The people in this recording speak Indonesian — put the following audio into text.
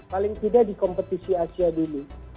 paling tidak di kompetisi asia dulu